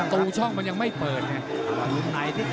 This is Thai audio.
ตู้ช่องมันยังไม่เปิดไง